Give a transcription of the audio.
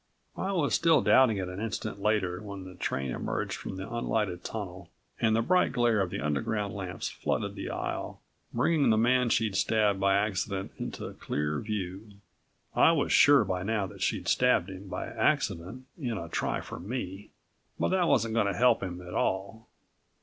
I was still doubting it an instant later, when the train emerged from the unlighted tunnel and the bright glare of the Underground lamps flooded the aisle, bringing the man she'd stabbed by accident into clear view. I was sure by now that she'd stabbed him by accident in a try for me, but that wasn't going to help him at all.